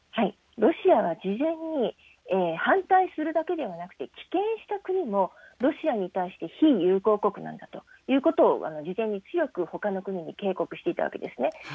ロシアは事前に反対するだけではなくて、棄権した国も、ロシアに対して非友好国なんだということを事前に強く、ほかの国に警告していたわけですね。